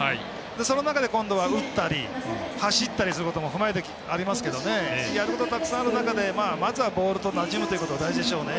その中で今度は打ったり走ったりすることもありますけどやることは、たくさんある中でまずはボールとなじむということが大事でしょうね。